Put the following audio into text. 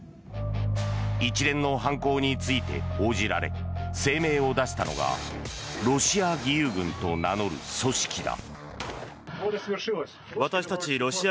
一連の犯行について報じられ声明を出したのがロシア義勇軍と名乗る組織だ。